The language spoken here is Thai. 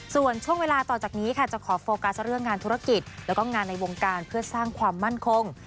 ส่วนช่วงเวลาต่อจากนี้ค่ะจะขอโฟกัสเรื่องงานธุรกิจแล้วก็งานในวงการเพื่อสร้างความมั่นคง